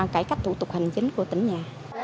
cái cách thủ tục hành chính của tận nhà